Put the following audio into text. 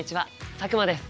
佐久間です。